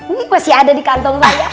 ini masih ada di kantong saya